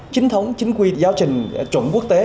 chính thống chính quy giáo trình trụng quốc tế